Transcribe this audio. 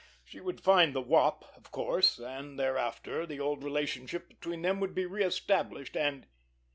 She would find the Wop, of course, and thereafter the old relationship between them would be reëstablished, and——.